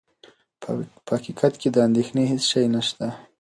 په حقیقت کې د اندېښنې هېڅ شی نه شته.